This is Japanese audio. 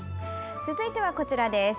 続いては、こちらです。